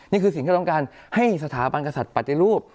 นี่คือสิ่งที่เราต้องการให้สถาบันกษัตริย์ปฏิรูป